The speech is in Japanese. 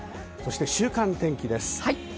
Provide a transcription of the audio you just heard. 週間天気です。